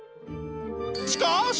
しかし！